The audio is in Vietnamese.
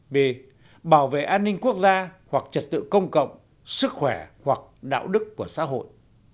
b bảo vệ an ninh quốc gia hoặc trật tự công cộng sức khỏe hoặc đạo đức của xã hội